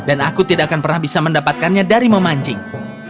dan aku tidak akan pernah mendapatkannya dari memancing